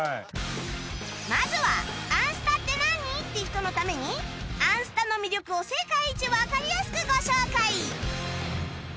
まずは『あんスタ』って何？って人のために『あんスタ』の魅力を世界一わかりやすくご紹介